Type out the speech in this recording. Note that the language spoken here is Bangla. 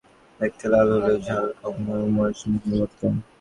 দেখতে লাল হলেও ঝাল কম এমন মরিচ নিন এই ভর্তায়।